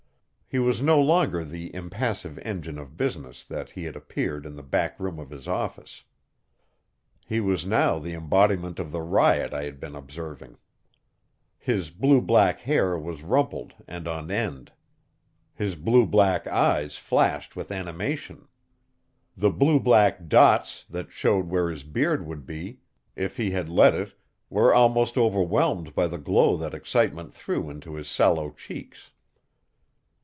He was no longer the impassive engine of business that he had appeared in the back room of his office. He was now the embodiment of the riot I had been observing. His blue black hair was rumpled and on end. His blue black eyes flashed with animation. The blue black dots that showed where his beard would be if he had let it were almost overwhelmed by the glow that excitement threw into his sallow cheeks.